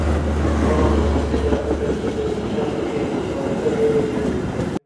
بەڵام لە راستیدا ئەگەر زوو دەستنیشان بکرێن و چارەسەر وەربگرن